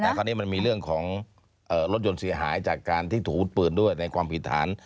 คราวนี้มันมีเรื่องของรถยนต์เสียหายจากการที่ถูกอาวุธปืนด้วยในความผิดฐาน